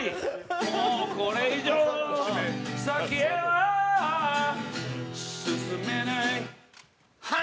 「もうこれ以上先へは進めない」